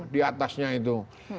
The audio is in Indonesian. di atasnya itu